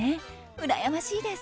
うらやましいです。